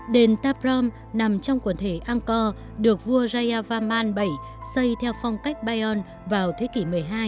đền ta prohm nằm trong quần thể angkor được vua jayavarman vii xây theo phong cách bayon vào thế kỷ một mươi hai